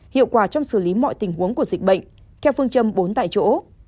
hiệu quả trong xử lý mọi tình huống của dịch bệnh theo phương châm bốn tại chỗ